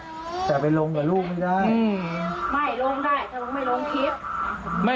ตอนเจ้านั่งอยู่นี้ผมก็ก็นั่งอยู่นี้